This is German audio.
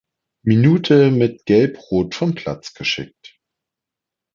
Minute mit Gelb-Rot vom Platz geschickt.